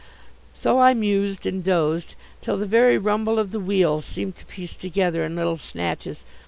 So I mused and dozed till the very rumble of the wheels seemed to piece together in little snatches.